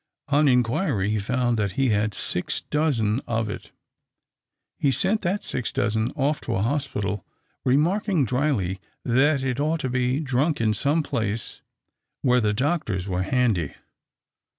On inquiry he found that he had six dozen of it. He sent that six dozen off to a hospital, remarking dryly that it ought to be drunk in some place where the doctors were handy.